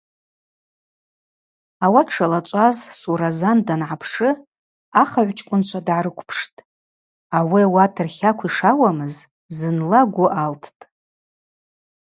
Ауат шалачӏваз Суразан дангӏапшы ахыгӏвчӏкӏвынчва дгӏарыквпштӏ, ауи ауат рхакв йшауамыз зынла гвы алттӏ.